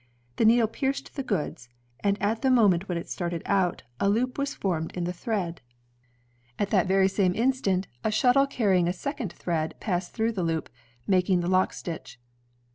The needle pierced the goods, and at the moment when it started out, a loop was formed in the thread; at that ELI AS HOWE 127 very same instant, a shuttle carrjing a second thread passed through the loop, making the lock stitch.